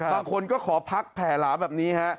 บางคนก็ขอพักแผ่หลาแบบนี้ฮะ